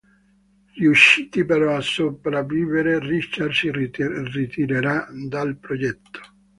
Riusciti però a sopravvivere, Richard si ritirerà dal progetto.